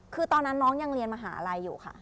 คือตอนนั้นน้องยังเรียนมหาลัยอยู่ค่ะ